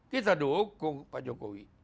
kita dukung pak jokowi